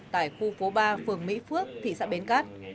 tại khu phố ba phường mỹ phước thị xã bến cát